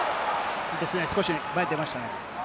少し前に出ましたね。